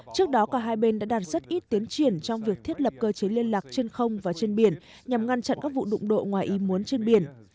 trước đó cả hai bên đã đạt rất ít tiến triển trong việc thiết lập cơ chế liên lạc trên không và trên biển nhằm ngăn chặn các vụ đụng độ ngoài i muốn trên biển